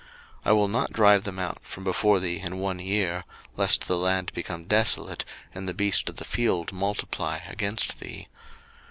02:023:029 I will not drive them out from before thee in one year; lest the land become desolate, and the beast of the field multiply against thee.